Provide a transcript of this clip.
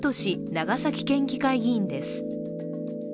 長崎県議会議員です。